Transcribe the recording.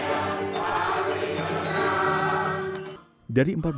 hakim seru dia hakim berang